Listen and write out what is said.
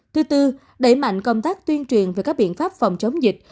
thứ tư đẩy mạnh công tác tuyên truyền về các biện pháp phòng chống dịch